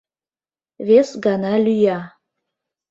Вес гана лӱя.